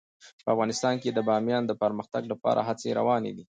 په افغانستان کې د بامیان د پرمختګ لپاره هڅې روانې دي.